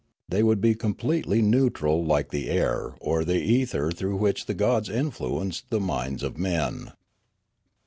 They would be completely neu tral like the air or the ether through which the gods influenced the minds of men.